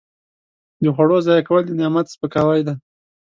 د خوړو ضایع کول د نعمت سپکاوی دی.